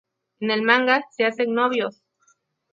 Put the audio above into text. En el manga, se hacen novios.